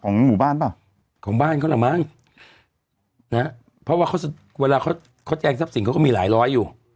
หมู่บ้านเปล่าของบ้านเขาล่ะมั้งนะฮะเพราะว่าเขาเวลาเขาเขาแจงทรัพย์สินเขาก็มีหลายร้อยอยู่